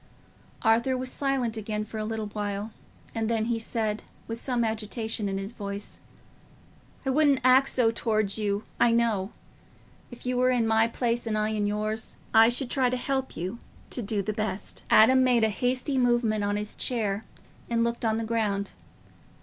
Arthur was silent again for a little while, and then said, with some agitation in his voice, "I wouldn't act so towards you, I know. If you were in my place and I in yours, I should try to help you to do the best." Adam made a hasty movement on his chair and looked on the ground.